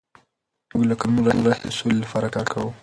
موږ له کلونو راهیسې د سولې لپاره کار کوو.